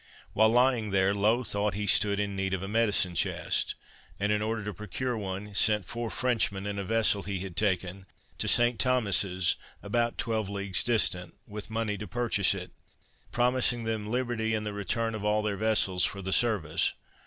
While lying there, Low thought he stood in need of a medicine chest, and, in order to procure one, sent four Frenchmen, in a vessel he had taken, to St. Thomas's, about twelve leagues distant, with money to purchase it; promising them liberty, and the return of all their vessels, for the service.